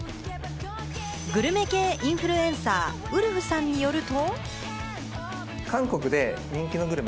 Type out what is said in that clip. グルメ系インフルエンサー・ウルフさんによると。